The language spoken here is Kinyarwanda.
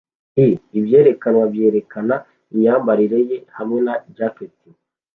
i ibyerekanwa byerekana imyambarire ye hamwe na jacket